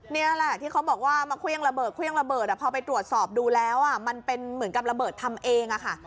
นี่แหละที่เขาบอกว่ามาเครื่องระเบิดเครื่องระเบิดพอไปตรวจสอบดูแล้วมันเป็นเหมือนกับระเบิดทำเองอะค่ะ